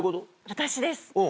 私です。